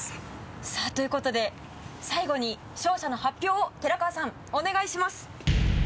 さぁということで最後に勝者の発表を寺川さんお願いします。